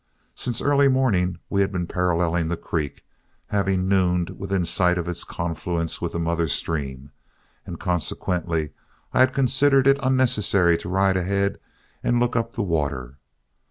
Since early morning we had been paralleling the creek, having nooned within sight of its confluence with the mother stream, and consequently I had considered it unnecessary to ride ahead and look up the water.